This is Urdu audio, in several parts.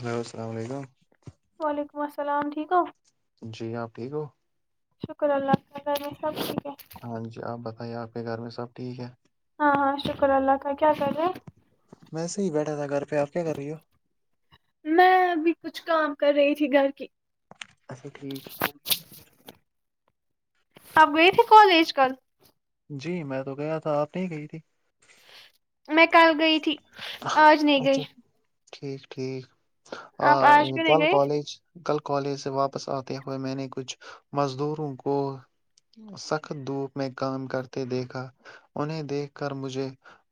ہلو السلام علیکم وعلیکم السلام ٹھیک ہو جی آپ ٹھیک ہو شکر اللہاب ہاں جی آپ بتائیے آپ آے گھر میں سب ٹھیک ہے ہاں ہاں شکر اللہ کا کیا کر رہا میں سے ہی بیٹھا تھا گھر پہ آپ کیا کر رہی ہو میں ابھی کچھ کام کر رہی گھر کی اچھا ٹھیک اب گئے تھے کالج کل جی میں تو گیا تھا آپ نہیں گئی تھی میں کل گئی تھی آج نہیں اچھا گئی ٹھیک ٹھیک ا آپ آج کیوں نہیں نتال گئے کالج کل کالج سے واپس آتے ہوئے میں نے کچھ مزدوروں کو سخت دھوپ میں کام کرتے دیکھا انہیں دیکھ کر مجھے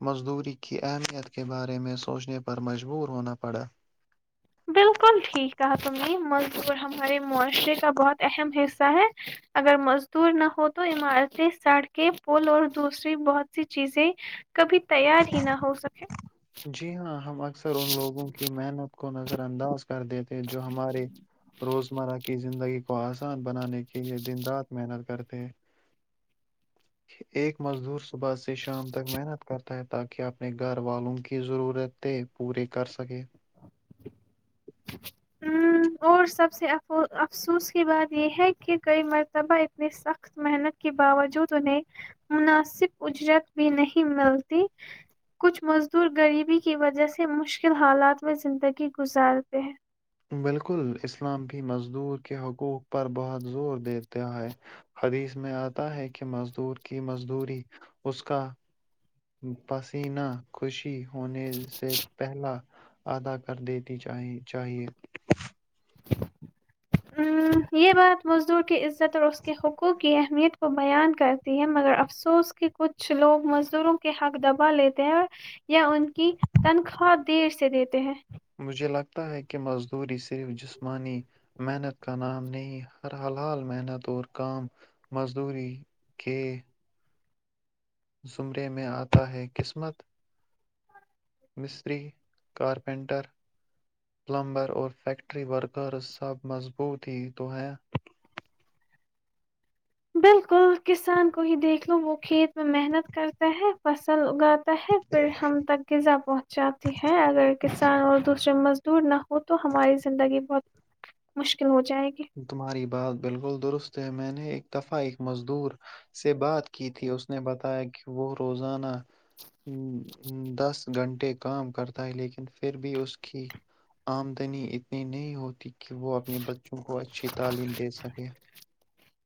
مزدوری کی اہمیت کے بارے میں سوچنے پر مجبور ہونا پڑا بالکل ٹھیک ہے تم نے مزدور ہمارے معاشرے کا بہت اہم حصہ ہے اگر مزدور نہ ہو تو عمارتیں سڑکیں پل اور دوسری بہت سی چیزیں کبھی تیار ہی نہ ہو سکے جی ہاں ہم اکثر ان لوگوں کی محنت کو نظر انداز کر دیتے جو ہمارے روزمرہ کی زندگی کو آسان بنانے کے لیے دن رات محنت کرتے ایک مزدور صبح سے شام تک محنت کرتا ہے تاکہ اپنے گھر والوں کی ضرورتیں پوری کر سکے ہ اور سب سے ا افسوس کی بات یہ ہے کہ کئی مرتبہ اتنی سخت محنت کے باوجود انہیں مناسب اجرت بھی نہیں ملتی کچھ مزدور غریبی کی وجہ سے مشکل حالات میں زندگی گزارتے ہیں بالکل اسلام بھی مزدور کے حقوق پر بہت زور دیتا ہے حدیث میں آتا ہے کہ مزدور کی مزدوری اس کا پسینہ خوشی ہونے سے پہلا ادا کر دیتی چاہیے یہ بات مزدور کی عزت اور اس کے حقوق کی اہمیت کو بیان کرتی ہے مگر افسوس کہ کچھ لوگ مزدوروں کے حق دبا لیتے ہیں یا ان کی تنخواہ دیر سے دیتے ہیں مجھے لگتا ہے کہ مزدوری صرف جسمانی محنت کا نام نہیں ہر حال حال محنت اور کام مزدوری کے زمرے میں آتا ہے قسمت مستری کارپینٹر پلمبر اور فیکٹری ورکرز سب مضبوط ہی تو ہیں بالکل کسان کو ہی دیکھ لو وہ کھیت میں محنت کرتا ہے فصل اگاتا تحت پ ہم تک غذا پہنچاتی ہے اگر کسان اور دوسرے مز توورنا وہ تو ہماری زندگی بہت مشکل ہوتی تمہاری بات بالکل درست میں نے ایک دفعہ ایک مزدور سے بات کی تھی اس نے بتایا کہ وہ روزانہ دس گھنٹے کام کرتا ہے لیکن پھر بھی اس کی آمدنی اتنی نہیں ہوتی کہ وہ اپنی بچوں کو اچھی تعلیم دے سکے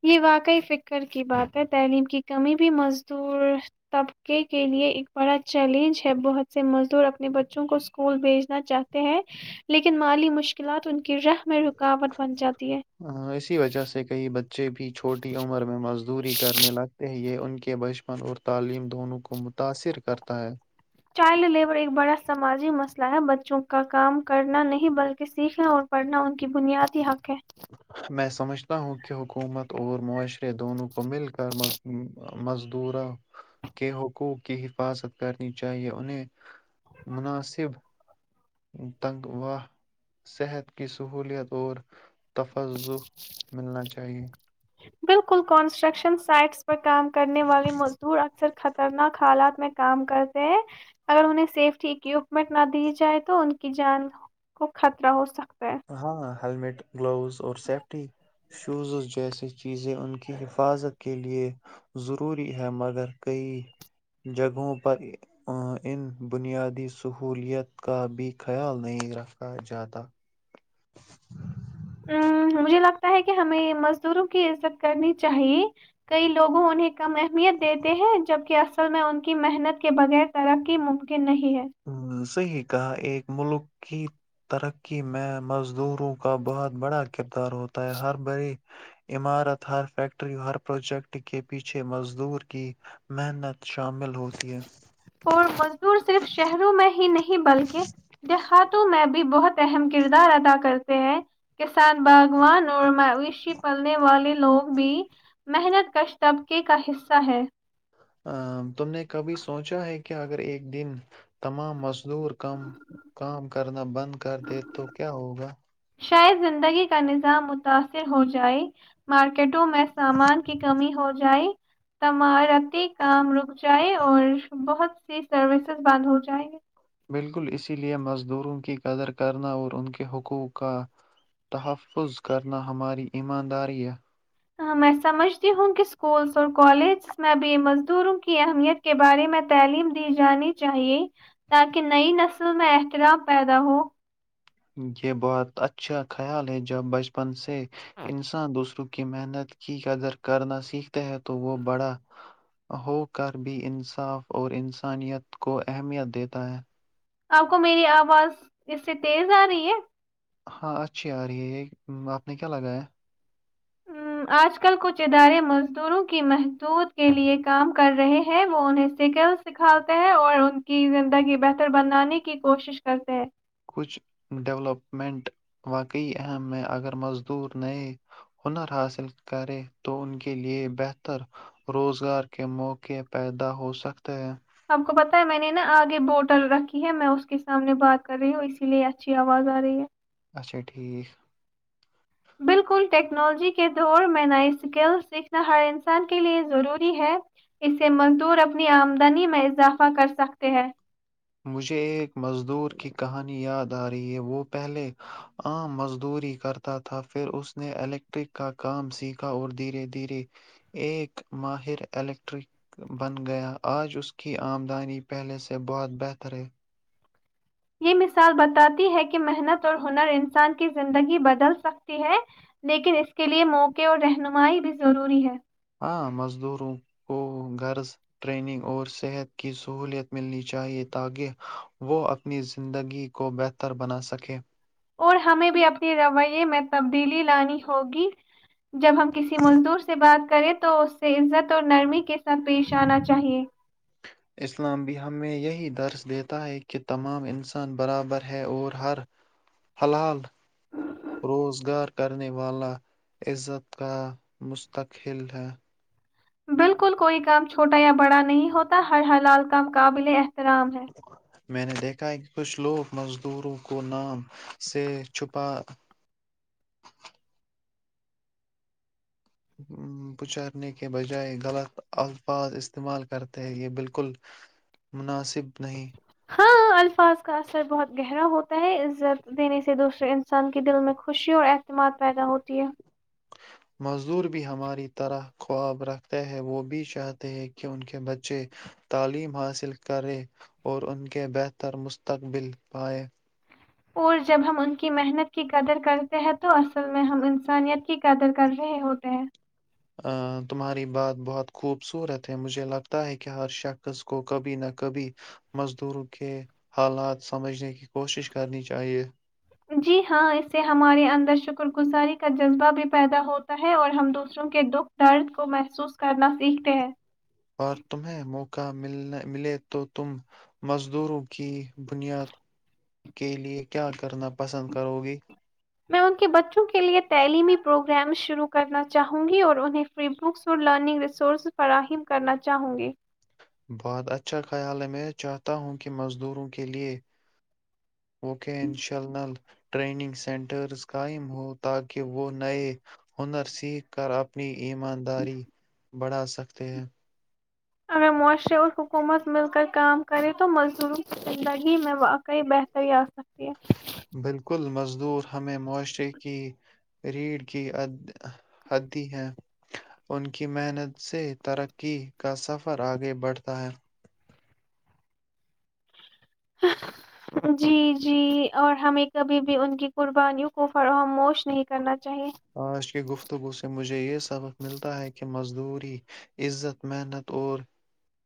یہ واقعی فکر کی بات ہے تعلیم کی کمی بھی مزدور طبقے کے لیے ایک بڑا چیلنج ہے بہت سے مزدور اپنے بچوں کو اسکول بھیجنا چاہتے ہیں لیکن مالی مشکلات ان راہ میں رکاوٹ بن جاتی ہے آ، اسی وجہ [unintelligible] سے کئی بچے بھی چھوٹی عمر میں مزدوری کرنے لگتے ہیں یہ ان [unintelligible] کہ بچپن اور تعلیم دونوں کو متاثر کرتا ہے [unintelligible] چائلڈ لیبر ایک بڑا سماجی مسئلہ ہے بچوں کا کام کرنا نہیں بلکہ سیکھنا اور پڑھنا ان کی بنیادی حق ہے [unintelligible] میں سمجھتا ہوں کہ حکومت اور معاشرے دونوں کمیل کرم [unintelligible] مزدوروں کے حقوق کی حفاظت کرنی چاہیے انہیں [unintelligible] مناسب [unintelligible] تنگواہ صحت کی سہولیت اور تفض ملنا چاہیئے [unintelligible] بالکل کنسٹرکشن سائٹس پر کام کرنے والے مزدور اکثر خطرناک حالات میں کام کرتے ہیں اگر انہیں سیفٹی اکوپمنٹ نہ دی جائے تو ان کی جان کو خطرہ ہو سک [unintelligible] ہیمیٹ گلاوز اور سیفٹی شوزز جیسی چیزیں ان کی حفاظت کے لیے ضروری ہے مگر کئی جگہوں پر ان بنیادی سہولیت کا بھی خیال نہیں رکھا جاتا [unintelligible] ام، مجھے لگتا ہے کہ ہمیں مزدوروں کی عزت کرنی چاہیے کئی لوگوں انہیں کم اہمیت دیتے ہیں جبکہ اصل میں ان کی محنت کے بغیر ترقی ممکن نہیں [unintelligible] ہ صحیح کہا ایک ملک [unintelligible] کی ترقی میں مزدوروں کا بہت بڑا کردار ہوتا ہے ہر بڑی عمارت ہر فیکٹری ہر پروجیکٹ کے پیچھے مزدور کی محنت شامل ہوتی ہے [unintelligible] اور مزدور صرف شہروں میں ہی نہیں بلکہ دیہاتوں میں بھی بہت اہم کردار ادا کرتے ہیں کسان باغوان اور مویشی پلنے والے لوگ بھی محنت کش طبقے کا حصہ ہے [unintelligible] ا تم نے کبھی سوچا ہے کہ اگر ایک دن تمام م [unintelligible] ور کم کام کرنا بند کر دے تو کیا ہوگا [inaudible] شاید زندگی کا نظام متاثر ہو جائے مارکیٹوں میں سامان کی کمی ہو جائے تمارتی کام رک جائے اور بہت سی سروسز بند ہو جائے [unintelligible] بالکل اسی لے مزدوروں کی قدر کرنا اور ان کے حقوق کا تحفظ کرنا ہماری ایمانداری ہے [unintelligible] ہ میں سمجھتی ہوں کہ اسکولس اور کالج میں بھی مزدوروں کی اہمیت کے بارے میں تعلیم دی جانی چاہیے تاکہ نئی نسل میں احترام پیدا ہو [unintelligible] یہ بہت اچھا خیال ہے جب بچپن سے [unintelligible] انسان دوسرو [inaudible] کی محنت کی قدر کرنا سیکھتے ہے تو وہ بڑا ہو کر بھی انصاف اور انسانیت کو اہمیت دیتا ہے [unintelligible] آپ کو میری آواز اس سے تیز آ رہی ہے [unintelligible] ہاں اچھی آ رہی ہے یہ آپ نے کیا لگایا [unintelligible] آج کل کچھ ادارے مزدوروں کی محدود کے لیے کام کر رہے ہیں وہ انہیں سیکل سکھاتے ہیں اور ان کی زندگی بہتر بنانے کی کوشش کرتے ہیں [unintelligible] کچھ ڈولپمنٹ واقعی اہم میں اگر مزدور نئے ہنر حاصل کرے تو ان کے لیے بہتر روزگار کے موقعے پیدا ہو سکتے ہیں [unintelligible] آپ کو پتا ہے میں نے نا آگے بوٹل رکھی ہے میں اس کے سامنے بات کر رہی ہوں اسی لیے اچھی آواز آ رہی ہے [unintelligible] اچھا ٹھیک [inaudible] بالکل ٹیکنالوجی کے دور میں نئی سکل سیکھنا ہر انسان کے لئے ضروری ہے اسے مزدور اپنی آمدنی میں اضافہ کرسکتے ہیں [unintelligible] مجھے ایک مزدور کی کہانی یاد آ رہی ہے وہ پہلے عام مزدوری کرتا تھا پھر اس نے الیکٹرک کا کام سیکھا اور دھیرے دھیرے ایک ماہر الیکٹرک بن گیا آج اس کی آمدنی پہلے سے بہت بہتر [unintelligible] اترے [inaudible] یہ مثال بتاتی ہے کہ محنت اور ہنر انسان کی زندگی بدل سکتی ہے لیکن اس کے لیئے موقع اور رہنمائی بھی ضروری ہے [unintelligible] ہاں مزدوروں کو غرض ٹریننگ اور صحت کی سہوولت ملنی چاہیے تاکہ وہ اپنی زندگی کو بہتر بنا سکے [inaudible] اور ہمیں بھی اپنے رویے میں تبدیلی لانی ہوگی جب ہم کسی مزدور سے بات کریں تو اس سے عزت اور نرمی کے [unintelligible] پیش آنا چاہیے [inaudible] اسلام بھی ہمیں یہی درس دیتا ہے کہ تمام انسان برابر ہے اور ہر ہلال روزگار کرنے والا عزت کا مستقل ہے [unintelligible] بالکل کوئی کام چھوٹا یا بڑا نہیں ہوتا ہر حلال کا قابل ا [unintelligible] آرام ہے [inaudible] میں نے دیکھا ہے کہ کچھ لوگ مزدوروں کو نام سے چھپا [unintelligible] پچارنے کے بجائے غلط الفاظ استعمال کرتے ہیں یہ بالکل مناسب نہیں [unintelligible] ہاں الفاظ کا اثر بہت گہرا ہوتا ہے عزت دینے سے دوسرے انسان کے دل میں خوشی اور اعتماد پیدا ہوتی ہے [inaudible] مزدور بھی ہماری طرح خواب رکھتے ہیں وہ بھی چاہتے ہیں کہ ان کے بچے تعلیم حاصل کریں اور ان کے بہتر مستقبل پائیں [unintelligible] اور جب ہم ان کی محنت کی قدر کرتے ہیں تو اصل میں ہم انسانیت کی قدر کر رہے ہوتے ہیں [unintelligible] ا تمہاری بات بہت خوبصورت ہے مجھے لگتا ہے کہ ہر شخص کو کبھی نہ کبھی مزدوروں کے حالات سمجھنے کی [unintelligible] کرنی چاہیے جی ہاں اس سے ہمارے اندر شکر گزاری [unintelligible] کا جذبہ بھی پیدا ہوتا ہے اور ہم دوسروں کے دکھ درد کو محسوس کرنا سیکھتے ہیں [unintelligible] اور تمہیں موقع مل ملے تو تم مزدوروں [unintelligible] کی بنیاد [inaudible] کے لیے کیا کرنا پسند کرو گی [unintelligible] [unintelligible] بعد اچھا خیال ہے میں چاہتا ہوں کہ مزدوروں کے لیے [unintelligible] اوکے انشاء اللہ [unintelligible] ٹریننگ سینٹرز قائم ہوں تاکہ وہ نئے ہنر سیکھ کر اپنی ایمانداری بڑھا سکتے ہیں [unintelligible] اگر معاشرے اور حکومت مل کر کام کرے تو مزدور کی زندگی میں واقعی بہتری آ [unintelligible] بالکل مز [inaudible] مزدور ہمیں معاشرے کی ریڑھ کی حدھی ہے ان کی محنت سے ترقی کا سفر آگے بڑھتا ہے [unintelligible] جی جی اور ہمیں کبھی بھی ان کی قربانیوں کو فروغاموش نہیں کرنا چاہیے آج کی گفتگو سے مجھے یہ سبق ملتا ہے کہ مزدور عزت محنت اور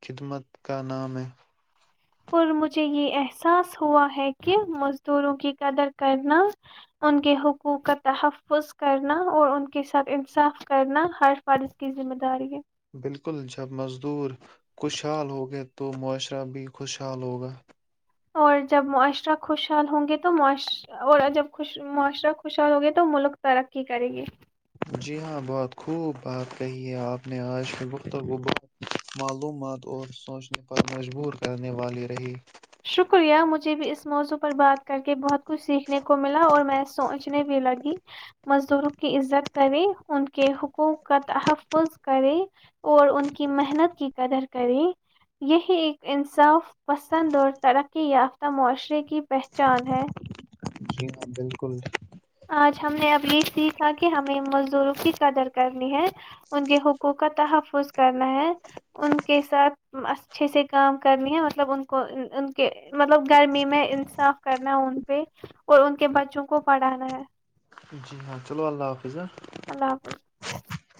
خدمت کا نام ہے اور مجھے یہ احساس ہوا ہے کہ مزدوروں کی قدر کرنا ان کے حقوق کا تحفظ کرنا اور ان کے ساتھ انصاف کرنا خرش فارش کی ذمہ داری ہے بالکل جب مزدور خوشحال ہوگے تو معاشرہ بھی خوشحال ہوگا اور جب معاشرہ خوشحال ہوں گے تو اور جب معاشرہ خوشحال ہوںگے تو ملک ترقی کرے گے جی ہاں بہت خوب بات کہی ہے آپ نے آج گفتگو معلومات اور سوچنے پر مجبور کرنے والی رہی شکریہ مجھے بھی اس موضوع پر بات کر کے بہت کچھ سیکھنے کو ملا اور میں سوچنے بھی لگی مزدوروں کی عزت کرے ان کے حقوق کا تحفظ کرے اور ان کی محنت کی قدر کرے یہی ایک انصاف پسند اور ترقی یافتہ معاشرے کی پہچان ہے جی ہاں بالکل آج ہم نے اب یہ سیکھا کہ ہمیں مزدوروں کی قدر کرنی ہے ان کے حقوق کا تحفظ کرنا ہے ان کے ساتھ اچھے سے کام کرنی ہے مطلب ان کو ان کے مطلب گرمی میں انصاف کرنا ان پہ اور ان کے بچوں کو پڑھانا [inaudible] جی ہاں چلو اللہ حافظ ہاں اللہ حافظ